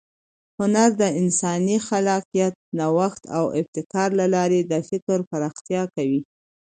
هنر د انساني خلاقیت، نوښت او ابتکار له لارې د فکر پراختیا کوي.